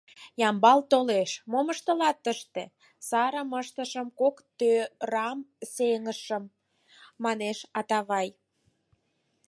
Ямблат толеш: «Мом ыштылат тыште?» — «Сарым ыштышым, кок тӧрам сеҥышым», — манеш Атавай.